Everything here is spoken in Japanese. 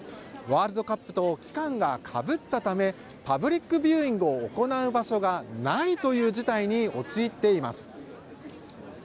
ワールドカップと期間がかぶったためパブリックビューイングを行う場所がないという事態に陥っています。